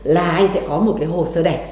là anh sẽ có một cái hồ sơ đẻ